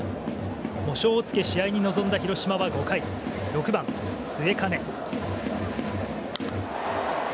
喪章をつけ試合に臨んだ広島は５回、６番、末包。